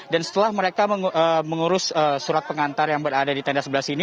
dan setelah mereka mengurus surat pengantar yang berada di tenda sebelah sini